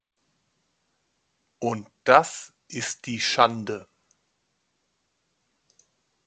Und das ist die Schande!